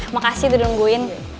makasih udah nungguin